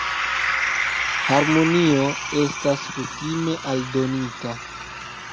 Harmonio estas kutime aldonita.